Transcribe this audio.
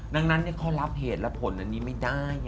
ดังนั้นเขารับเหตุและผลอันนี้ไม่ได้